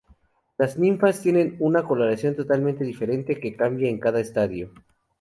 Las ninfas tienen una coloración totalmente diferente, que cambia en cada estadio.